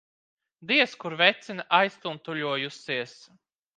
Diez kur vecene aiztuntuļojusies.